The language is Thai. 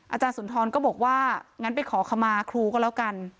อาจารย์สุนทรก็บอกว่างั้นไปขอขมาครูก็แล้วกัน